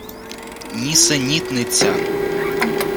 Нісенітниця!